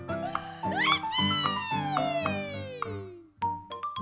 うれしい！